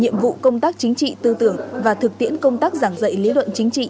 cụ công tác chính trị tư tưởng và thực tiễn công tác giảng dạy lý luận chính trị